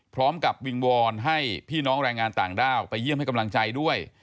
พร้อมกับวิงวอนให้พี่น้องแรงงานต่างด้าวไปเยี่ยมให้กำลังใจด้วย